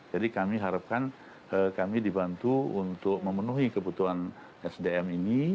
jadi kami harapkan kami dibantu untuk memenuhi kebutuhan sdm ini